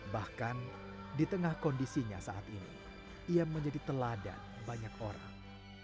bahkan di tengah kondisinya saat ini ia menjadi teladan banyak orang